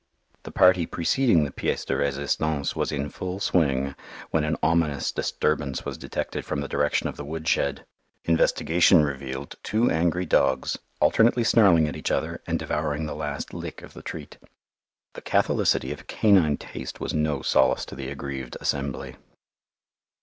The party preceding the pièce de résistance was in full swing when an ominous disturbance was detected from the direction of the woodshed. Investigation revealed two angry dogs alternately snarling at each other and devouring the last lick of the treat. The catholicity of canine taste was no solace to the aggrieved assembly.